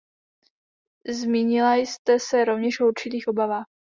Zmínila jste se rovněž o určitých obavách.